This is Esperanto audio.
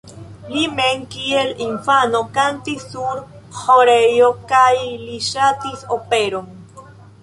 Li mem kiel infano kantis sur ĥorejo kaj li ŝatis operon.